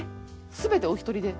全てお一人で？